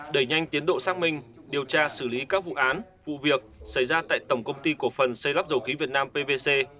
đẩy nhanh tiến độ xác minh điều tra xử lý các vụ án vụ việc xảy ra tại tổng công ty cổ phần xây lắp dầu khí việt nam pvc